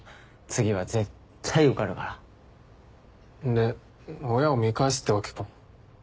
で親を見返すってわけか。